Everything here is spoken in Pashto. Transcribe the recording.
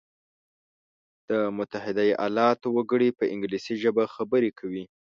د متحده ایلاتو وګړي په انګلیسي ژبه خبري کوي.